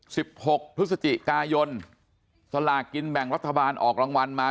หกพฤศจิกายนสลากกินแบ่งรัฐบาลออกรางวัลมา